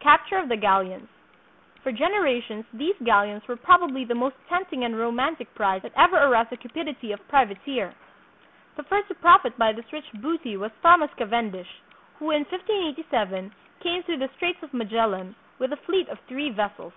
Capture of the Galleons. For generations these gal leons were probably the most tempting and romantic prize that ever aroused the cupidity of privateer. The first to profit by this rich booty was Thomas Cavendish, 1 Laws of the Indies, VIII., 45, 46. 176 THE PHILIPPINES. who in 1587 came through the Straits of Magellan with a fleet of three vessels.